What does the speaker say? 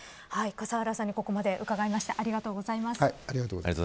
笠原さんにここまで伺いました。